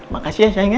makasih ya sayangnya